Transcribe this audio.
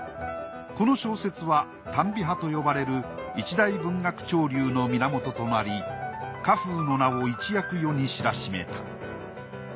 この小説は耽美派と呼ばれる一大文学潮流の源となり荷風の名を一躍世に知らしめた。